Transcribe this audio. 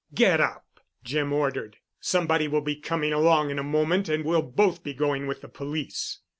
"Get up!" Jim ordered. "Somebody will be coming along in a moment and we'll both be going with the police."